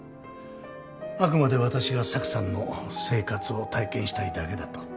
あくまで私がサクさんの生活を体験したいだけだと。